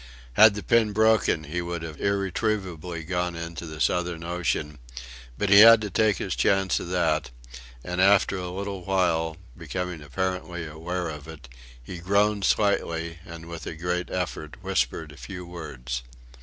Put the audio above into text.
Had the pin broken he would have irretrievably gone into the Southern Ocean, but he had to take his chance of that; and after a little while, becoming apparently aware of it, he groaned slightly, and with a great effort whispered a few words.